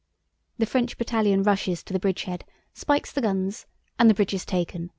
"The French battalion rushes to the bridgehead, spikes the guns, and the bridge is taken!